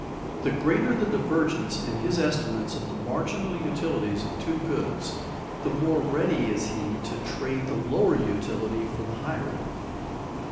_ The greater the divergence in his estimates of the marginal utilities of two goods, the more ready is he to trade the lower utility for the higher one.